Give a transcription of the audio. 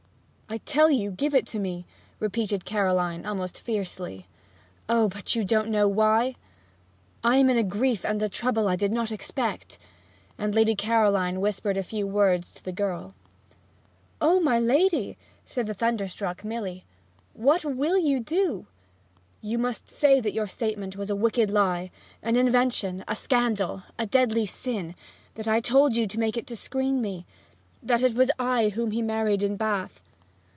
'I tell you give it to me!' repeated Caroline, almost fiercely. 'Oh but you don't know why? I am in a grief and a trouble I did not expect!' And Lady Caroline whispered a few words to the girl. 'O my lady!' said the thunderstruck Milly. 'What will you do?' 'You must say that your statement was a wicked lie, an invention, a scandal, a deadly sin that I told you to make it to screen me! That it was I whom he married at Bath.